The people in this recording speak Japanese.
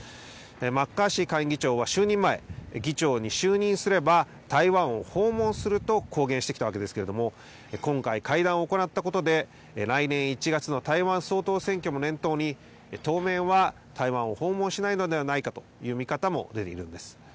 マッカーシー下院議長は就任前、議長に就任すれば台湾を訪問すると公言してきたわけですけれども、今回、会談を行ったことで、来年１月の台湾総統選挙も念頭に、当面は台湾を訪問しないのではないかという見方も出ているんです。